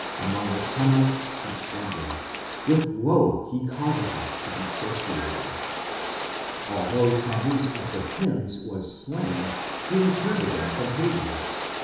Among the tamarisks he slumbers, with woe he causes us to be satiated. Although Tammuz of the hymns was slain, he returned again from Hades.